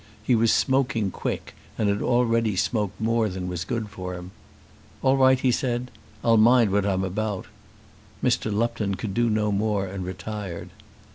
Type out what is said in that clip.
He was smoking quick and had already smoked more than was good for him. "All right," he said. "I'll mind what I'm about." Mr. Lupton could do no more, and retired.